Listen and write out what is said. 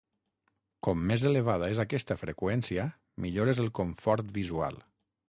Com més elevada és aquesta freqüència millor és el confort visual.